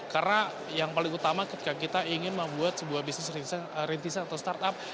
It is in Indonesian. karena yang paling utama ketika kita ingin membuat sebuah bisnis rintisan atau startup